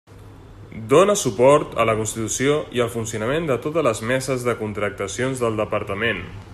Dóna suport a la constitució i el funcionament de totes les meses de contractacions del Departament.